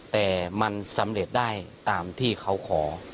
แต่มันสำเร็จได้ตามที่เขาขอ